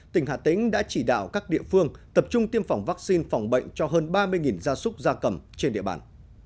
tỉnh hà tĩnh đã chỉ đạo các địa phương tập trung tiêm phòng vaccine phòng bệnh cho hơn ba mươi gia súc gia cầm trên địa bàn